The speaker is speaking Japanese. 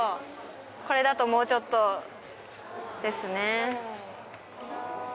これだともうちょっとですね。